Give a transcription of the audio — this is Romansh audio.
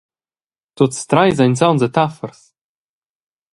Tuts treis ein sauns e taffers.